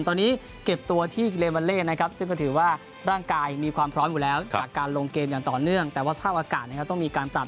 ตอนนี้เก็บตัวที่เกรียมวันเล่นนะครับ